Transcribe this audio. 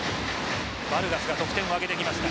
バルガスが得点を挙げてきました